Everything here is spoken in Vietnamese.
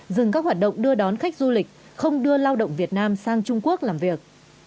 dừng các hoạt động đưa đón khách du lịch không đưa lao động việt nam sang trung quốc làm việc